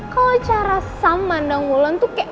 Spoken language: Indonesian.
kalo cara sam mandang mulan tuh kayak